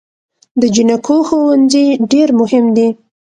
د جینکو ښوونځي ډیر مهم دی